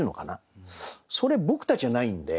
それ僕たちはないんで。